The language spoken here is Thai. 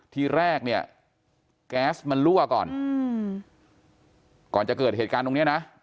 ทีแรกเนี่ยแก๊สมันรั่วก่อนอืมก่อนก่อนจะเกิดเหตุการณ์ตรงเนี้ยนะ